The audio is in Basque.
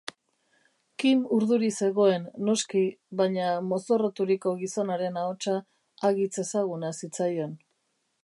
Quim urduri zegoen, noski, baina mozorroturiko gizonaren ahotsa hagitz ezaguna zitzaion.